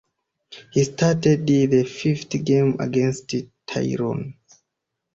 He started the fifth game against Tyrone.